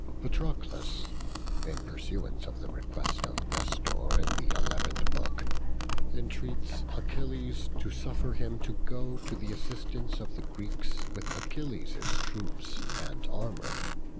Patroclus (in pursuance of the request of Nestor in the eleventh book) entreats Achilles to suffer him to go to the assistance of the Greeks with Achilles' troops and armour.